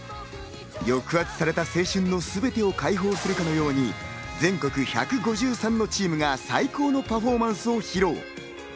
抑圧された青春のすべてを解放するかのように全国１５３のチームが最高のパフォーマンスを披露！